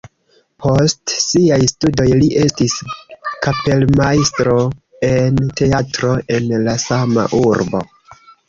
Post siaj studoj li estis kapelmajstro en teatro en la sama urbo.